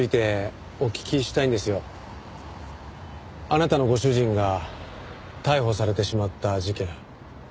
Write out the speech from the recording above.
あなたのご主人が逮捕されてしまった事件。